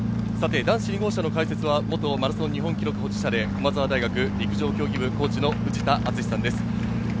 男子２号車の解説は元マラソン日本記録保持者で駒澤大学陸上競技部コーチの藤田敦史さんです。